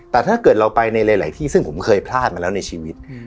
แต่ถ้าเกิดเราไปในหลายที่ซึ่งผมเคยพลาดมาแล้วในชีวิต